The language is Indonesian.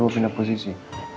coba pindah posisi